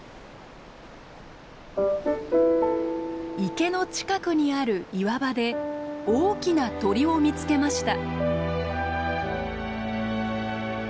池の近くにある岩場で大きな鳥を見つけました。